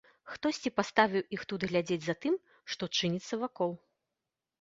Хтосьці паставіў іх тут глядзець за тым, што чыніцца вакол.